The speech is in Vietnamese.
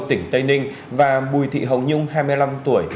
tỉnh tây ninh và bùi thị hồng nhung hai mươi năm tuổi